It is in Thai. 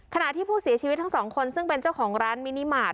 ขณะที่ผู้เสียชีวิตทั้งสองคนซึ่งเป็นเจ้าของร้านมินิมาตร